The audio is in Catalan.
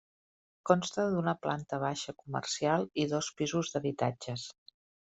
Consta d'una planta baixa comercial i dos pisos d'habitatges.